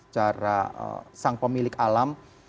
cara sang pemilik alam